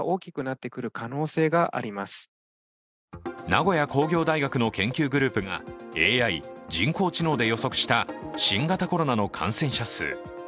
名古屋工業大学の研究グループがＡＩ＝人工知能で予測した新型コロナの感染者数。